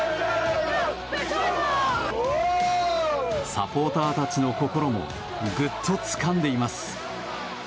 サポーターたちの心もぐっとつかんでいます。